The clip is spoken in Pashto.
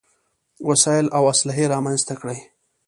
وسايل او اسلحې رامنځته کړې.